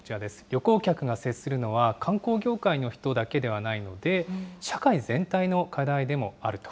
旅行客が接するのは、観光業界の人だけではないので、社会全体の課題でもあると。